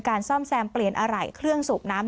ซ่อมแซมเปลี่ยนอะไรเครื่องสูบน้ำ